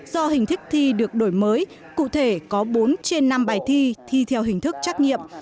do hình thức thi được đổi mới cụ thể có bốn trên năm bài thi thi theo hình thức trắc nghiệm